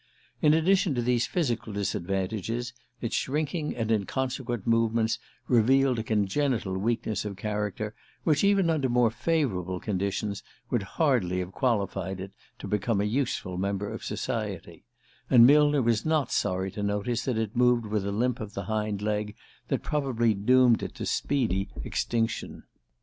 In addition to these physical disadvantages, its shrinking and inconsequent movements revealed a congenital weakness of character which, even under more favourable conditions, would hardly have qualified it to become a useful member of society; and Millner was not sorry to notice that it moved with a limp of the hind leg that probably doomed it to speedy extinction.